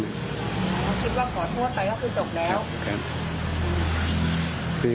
คิดว่าขอโทษไปก็คือจบแล้วครับ